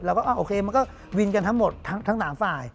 ว่าโอเคมันก็วินกันทั้งหมดทั้ง๓ฝ่าย